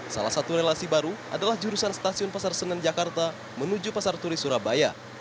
salah satu relasi baru adalah jurusan stasiun pasar senen jakarta menuju pasar turi surabaya